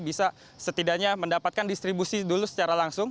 bisa setidaknya mendapatkan distribusi dulu secara langsung